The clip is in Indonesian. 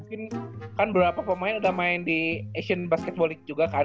mungkin kan beberapa pemain udah main di asian basketball league juga kan